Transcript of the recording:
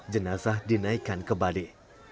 jenazah dinaikkan ke bade